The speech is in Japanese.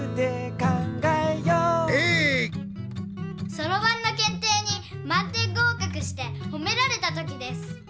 そろばんのけんていにまん点ごうかくしてほめられた時です。